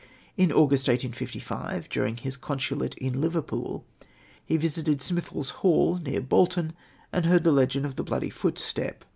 In August, 1855, during his consulate in Liverpool, he visited Smithell's Hall, near Bolton, and heard the legend of the Bloody Footstep.